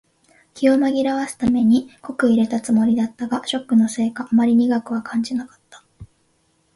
気を紛らわすために濃く淹れたつもりだったが、ショックのせいかあまり苦くは感じなかった。